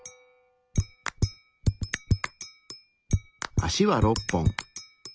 足は６本。